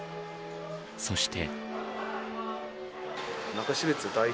そして。